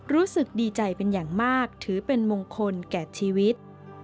รู้สึกดีใจเป็นอย่างมากถือเป็นมงคลแก่ชีวิต